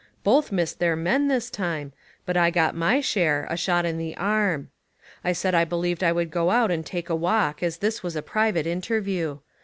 Both missed their men this time, but I got my share, a shot in the arm. I said I believed I would go out and take a walk as this was a private interview.